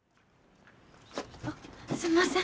あっすんません。